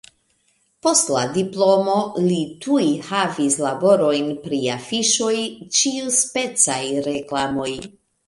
Post la diplomo li tuj havis laborojn pri afiŝoj, ĉiuspecaj reklamoj.